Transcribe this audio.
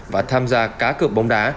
và tham gia cá cực bóng đá